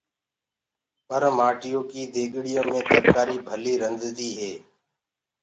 پر مآٽيو ڪي ديگڙيو مي ترڪآري ڀلي هوندي هي۔